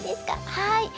はい。